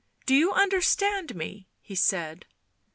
"Do you understand me?" he said.